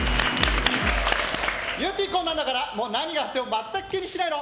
ゆってぃ、こんなんだからもう何があっても全く気にしないの。